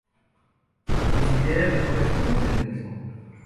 Se considera el mejor exponente del mismo.